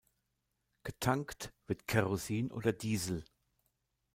Getankt wird Kerosin oder Diesel.